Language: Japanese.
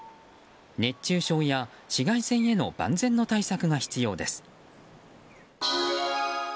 熱中症や紫外線への万全の対策が必要です。